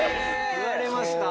言われました。